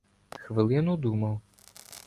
Хвилину думав.